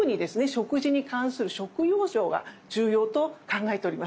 食事に関する食養生が重要と考えております。